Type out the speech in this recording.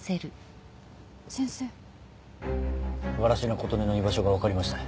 藁科琴音の居場所が分かりました